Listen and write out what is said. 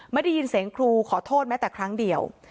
ไม่ได้ยินเสียงครูขอโทษแม้แต่ครั้งเดียว